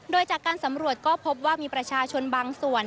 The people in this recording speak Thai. โดยจากการสำรวจก็พบว่ามีประชาชนบางส่วน